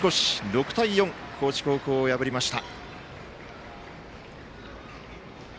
６対４、高知高校を破りました。